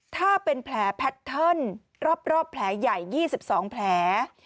ถ้าเป็นแผลแพทเทิร์นรอบแผลใหญ่๒๒แผล